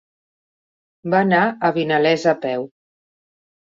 Va anar a Vinalesa a peu.